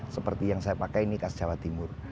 seperti yang saya pakai ini khas jawa timur